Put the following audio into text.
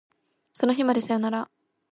その日までさよなら